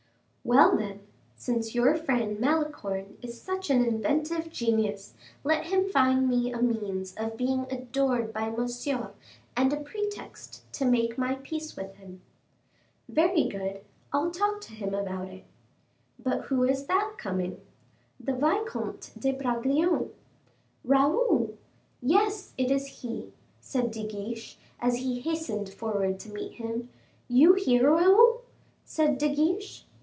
"Well, then, since your friend Malicorne is such an inventive genius, let him find me a means of being adored by Monsieur, and a pretext to make my peace with him." "Very good: I'll talk to him about it." "But who is that coming?" "The Vicomte de Bragelonne." "Raoul! yes, it is he," said De Guiche, as he hastened forward to meet him. "You here, Raoul?" said De Guiche.